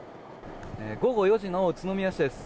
午後４時の宇都宮市です。